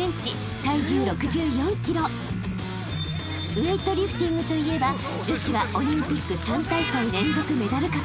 ［ウエイトリフティングといえば女子はオリンピック３大会連続メダル獲得］